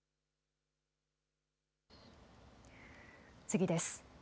次です。